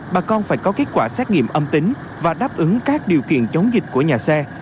bà con phải có kết quả xét nghiệm âm tính và đáp ứng các điều kiện chống dịch của nhà xe